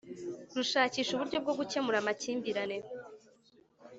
Rushakisha uburyo bwo gukemura amakimbirane